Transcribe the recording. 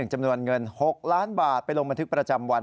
จำนวนเงิน๖ล้านบาทไปลงบันทึกประจำวัน